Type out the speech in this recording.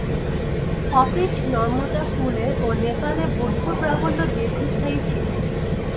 Office নর্মদাকূলে ও নেপালে বৌদ্ধপ্রাবল্য দীর্ঘস্থায়ী ছিল।